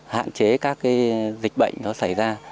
hạn chế các dịch bệnh đó xảy ra